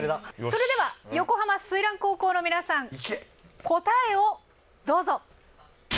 それでは横浜翠嵐高校の皆さん答えをどうぞ。